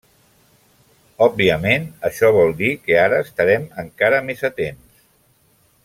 Òbviament, això vol dir que ara estarem encara més atents.